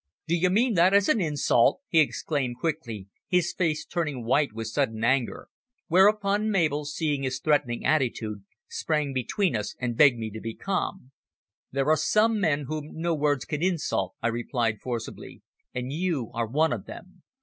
"Do you mean that as an insult?" he exclaimed quickly, his face turning white with sudden anger, whereupon Mabel, seeing his threatening attitude, sprang between us and begged me to be calm. "There are some men whom no words can insult," I replied forcibly. "And you are one of them."